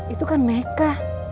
itu kan meka